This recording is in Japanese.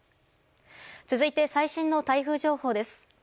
続いて最新の台風情報です。